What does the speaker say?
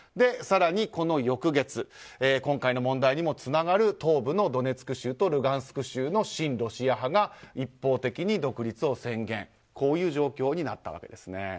更にこの翌月今回の問題にもつながる東部のドネツク州とルガンスク州の親ロシア派が一方的に独立を宣言という状況になったわけですね。